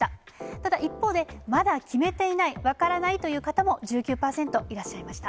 ただ一方で、まだ決めていない、分からないという方も１９％いらっしゃいました。